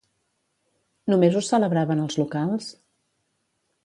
Només ho celebraven els locals?